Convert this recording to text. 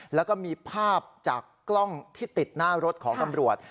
แล้วก็มีภาพจากกล้องที่ติดหน้ารถของตำรวจ